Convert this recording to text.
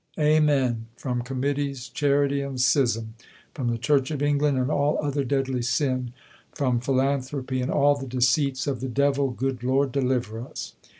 Amen. From Committees, charity, and Schism from the Church of England and all other deadly sin from philanthropy and all the deceits of the Devil, Good Lord, deliver us.